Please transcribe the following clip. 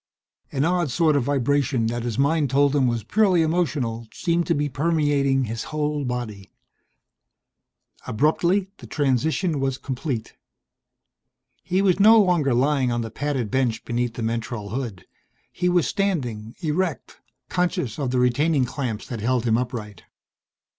An odd sort of vibration that his mind told him was purely emotional, seemed to be permeating his whole body. Abruptly the transition was complete. He was no longer lying on the padded bench beneath the mentrol hood. He was standing erect, conscious of the retaining clamps that held him upright.